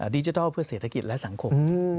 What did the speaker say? ดิจิทัลเพื่อเศรษฐกิจและสังคม